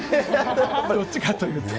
どっちかというと。